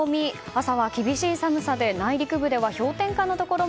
朝は厳しい寒さで内陸部では氷点下になるところも